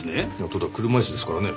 ただ車椅子ですからね。